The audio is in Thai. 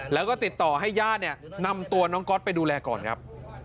แล้วก็ติดต่อให้ญาติเนี่ยนำตัวน้องก๊อตไปดูแลก่อนครับ